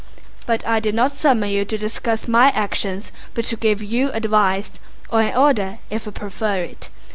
"But I did not summon you to discuss my actions, but to give you advice—or an order if you prefer it.